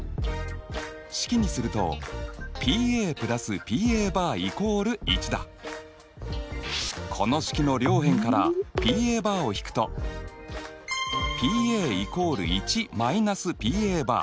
式にするとこの式の両辺からＰを引くとＰ＝１−Ｐ。